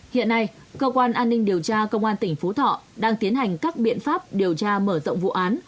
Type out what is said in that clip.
hiện nay cơ quan an ninh điều tra công an tỉnh phú thọ đang tiến hành các biện pháp điều tra mở rộng vụ án